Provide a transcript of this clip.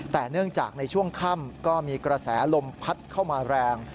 แต่เนื่องจากในช่วงค่ำก็มีกระแสลมพัดเข้ามาแรง